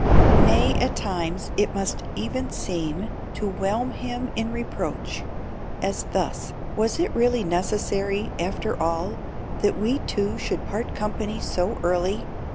Nay, at times, it must even seem to whelm him in reproach. As thus: "Was it really necessary, after all, that we two should part company so early?